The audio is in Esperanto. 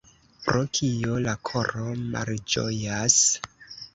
Pro kio la koro malĝojas?